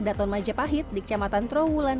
daton majapahit di kecamatan trawulan